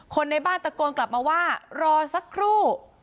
คนในบ้านตะโกนกลับมาว่ารอสักครู่